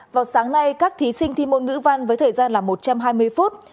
vào sáng nay các thí sinh thi môn ngữ văn với thời gian là một trăm hai mươi phút